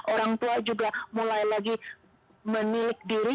orang tua juga mulai lagi menilik diri